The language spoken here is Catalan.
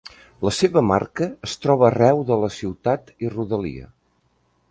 La seva marca es troba arreu de la ciutat i rodalia.